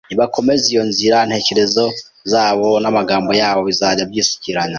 Nibakomeza iyo nzira, intekerezo zabo n’amagambo yabo bizajya byisukiranya